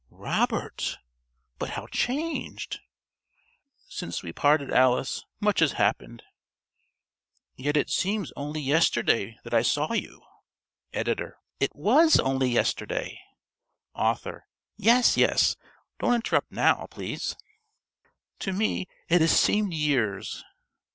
"Robert! But how changed!" "Since we parted, Alice, much has happened." "Yet it seems only yesterday that I saw you!" (~Editor.~ It ~WAS~ only yesterday. ~Author.~ Yes, yes. Don't interrupt now, please.) "To me it has seemed years."